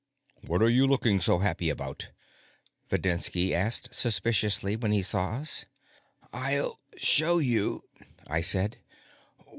"What are you looking so happy about?" Videnski asked suspiciously when he saw us. "I'll show you," I said.